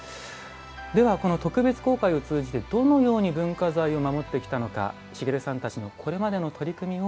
この特別公開を通じてどのように文化財を守ってきたのか茂さんたちのこれまでの取り組みを